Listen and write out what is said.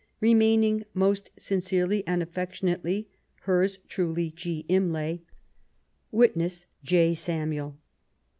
Remaining most sincerely and affectionately hers ti*uly, G. Imlat. Witness, J. Samuel.